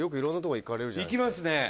行きますね。